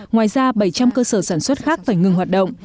ngoài ra bảy trăm linh cơ sở sản xuất khác phải ngừng hoạt động